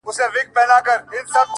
دا خو ددې لپاره”